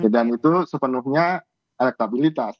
dan itu sepenuhnya elektabilitas